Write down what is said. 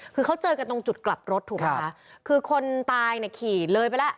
คือเขาเจอกันตรงจุดกลับรถถูกไหมคะคือคนตายเนี่ยขี่เลยไปแล้ว